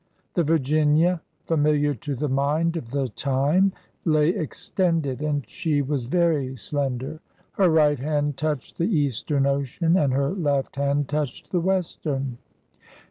The Virginia familiar to the mind of the time lay extended, and she was very slender. Her right hand touched the eastern ocean, and her left hand touched the western.